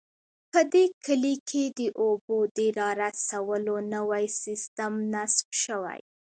په دې کلي کې د اوبو د رارسولو نوی سیستم نصب شوی